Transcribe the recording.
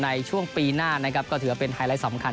ในช่วงปีหน้าก็ถือเป็นไฮไลท์สำคัญ